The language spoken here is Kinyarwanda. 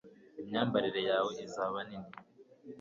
imyambarire yawe izaba nini